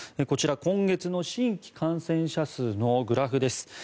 こちら、今月の新規感染者数のグラフです。